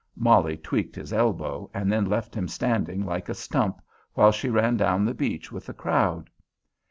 Molly tweaked his elbow, and then left him standing like a stump, while she ran down the beach with the crowd.